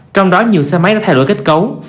trong đó nhiều xe máy đã thay đổi kết cấu